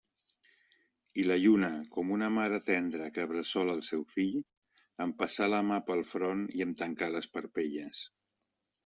I la lluna, com una mare tendra que bressola el seu fill, em passà la mà pel front i em tancà les parpelles.